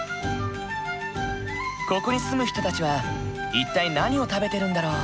ここに住む人たちは一体何を食べてるんだろう？